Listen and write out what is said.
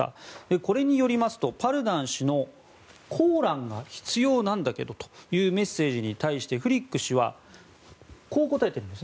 これによりますと、パルダン氏のコーランが必要なんだけどというメッセージに対してフリック氏はこう答えています。